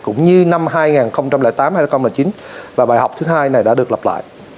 cũng như năm hai nghìn tám hai nghìn chín và bài học thứ hai này đã được lập lại